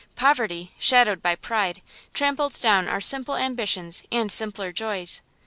Poverty, shadowed by pride, trampled down our simple ambitions and simpler joys.